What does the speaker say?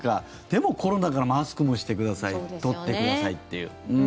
でもコロナだからマスクもしてください取ってくださいという。